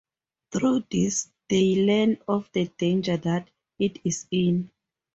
Through this they learn of the danger that it is in.